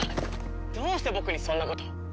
どうして僕にそんなこと。